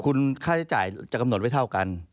คุณค่าใช้จ่ายจะกำหนดไม่เท่ากัน